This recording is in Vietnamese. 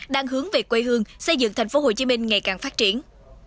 đang hướng về quê hương xây dựng thành phố hồ chí minh ngày càng phát triển